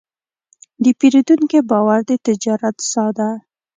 د پیرودونکي باور د تجارت ساه ده.